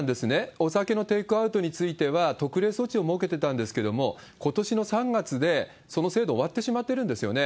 お酒のテイクアウトについては、特例措置を設けてたんですが、ことしの３月でその制度終わってしまってるんですよね。